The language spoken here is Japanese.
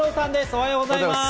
おはようございます。